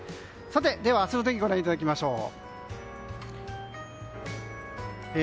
では明日の天気をご覧いただきましょう。